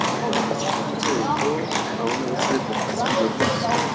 Durante su juventud se dedicó a un negocio de fabricación de lámparas.